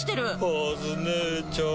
カズ姉ちゃん。